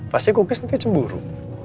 pasti kukis nanti cemburu